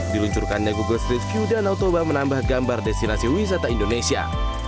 diluncurkannya google st rescue danau toba menambah gambar destinasi wisata indonesia